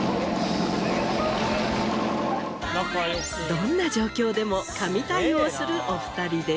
どんな状況でも神対応するお二人でした。